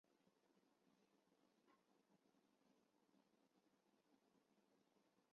世界福州十邑同乡总会是全球福州十邑籍华人的国际性乡会社团联谊组织。